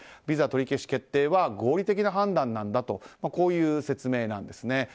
ビザ取り消し決定は合理的判断なんだとこういう説明なんですね。